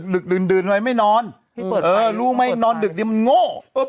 ดึกดึนดึนไว้ไม่นอนเออลูกไม่นอนดึกเดี๋ยวมันโง่โอ้ย